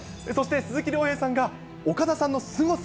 鈴木亮平さんが岡田さんのすごさ、